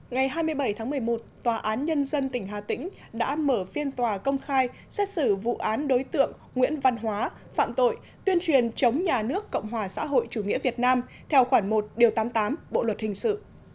ngày hai mươi bảy tháng một mươi một tòa án nhân dân tỉnh hà tĩnh đã mở phiên tòa công khai xét xử vụ án đối tượng nguyễn văn hóa phạm tội tuyên truyền chống nhà nước cộng hòa xã hội chủ nghĩa việt nam theo khoản một điều tám mươi tám bộ luật hình sự